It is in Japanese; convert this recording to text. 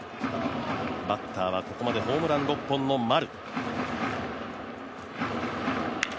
バッターはここまでホームラン６本の丸。